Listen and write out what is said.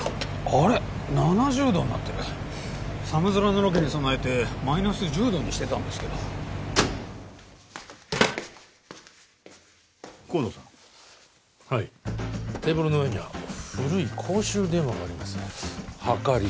あれ７０度になってる寒空のロケに備えてマイナス１０度にしてたんですけど護道さんはいテーブルの上には古い公衆電話がありますはかり